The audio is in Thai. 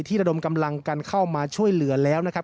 ระดมกำลังกันเข้ามาช่วยเหลือแล้วนะครับ